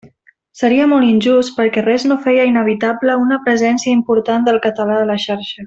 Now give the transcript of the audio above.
Seria molt injust perquè res no feia inevitable una presència important del català a la xarxa.